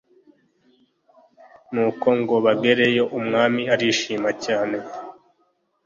nuko ngo bagere yo umwami arishima cyane